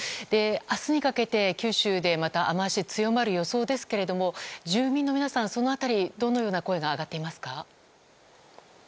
明日にかけて九州でまた雨脚が強まる予想ですが住民の皆さん、その辺りどのような声が上がっていますか。